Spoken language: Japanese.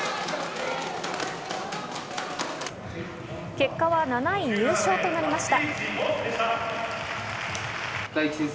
結果は７位入賞となりました。